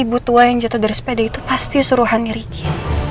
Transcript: ibu tua yang jatuh dari sepeda itu pasti suruhan ngerigin